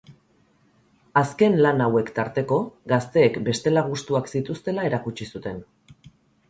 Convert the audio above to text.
Azken lan hauek tarteko, gazteek bestela gustuak zituztela erakutsi zuten.